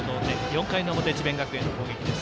４回の表、智弁学園の攻撃です。